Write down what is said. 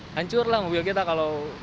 hancur lah mobil kita kalau